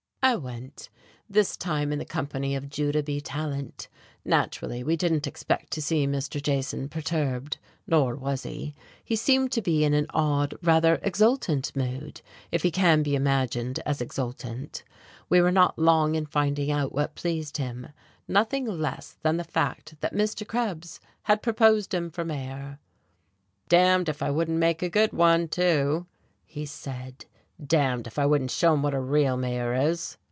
I went, this time in the company of Judah B. Tallant. Naturally we didn't expect to see Mr. Jason perturbed, nor was he. He seemed to be in an odd, rather exultant mood if he can be imagined as exultant. We were not long in finding out what pleased him nothing less than the fact that Mr. Krebs had proposed him for mayor! "D d if I wouldn't make a good one, too," he said. "D d if I wouldn't show 'em what a real mayor is!"